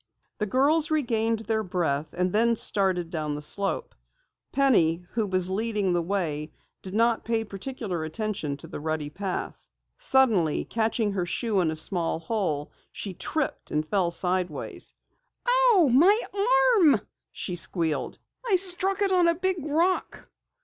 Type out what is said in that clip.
The girls regained their breath, and then started down the slope. Penny, who was leading the way, did not pay particular attention to the rutty path. Suddenly catching her shoe in a small hole, she tripped and fell sideways. "Ooh, my arm!" she squealed. "I struck it on a big rock!"